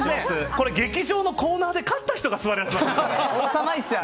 これ、劇場のコーナーで勝った人が座るやつですよ。